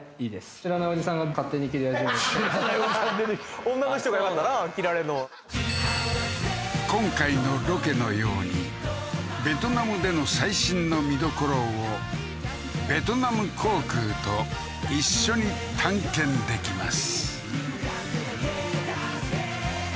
知らないおじさん女の人がよかったな切られんのは今回のロケのようにベトナムでの最新の見どころをベトナム航空と一緒に探検できます